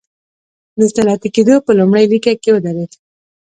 د صنعتي کېدو په لومړۍ لیکه کې ودرېد.